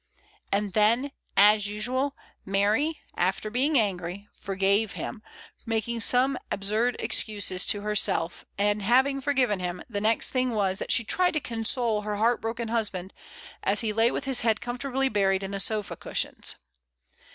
And then, as usual, Mary, after being angry. COFFEE. 6 1 forgave him, making some absurd excuses to her self; and having forgiven him, the next thing was that she tried to console her heart broken husband as he lay with his head comfortably buried in the sofa cushions.